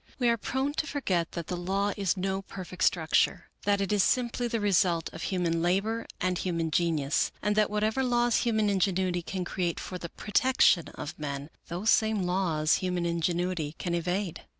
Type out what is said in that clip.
We are prone to forget that the law is no perfect structure, that it is simply the result of human labor and human genius, and that whatever laws human ingenuity can create for the protection of men, those same laws human ingenuity can evade.